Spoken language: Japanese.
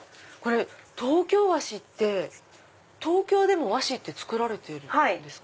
東京和紙って東京でも和紙って作られてるんですか？